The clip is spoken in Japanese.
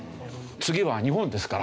次は日本ですから。